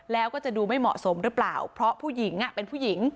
แล้วก็จะดูไม่เหมาะสมหรือเปล่าเพราะผู้หญิงเป็นผู้หญิง